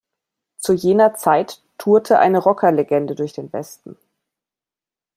Zu jener Zeit tourte eine Rockerlegende durch den Westen.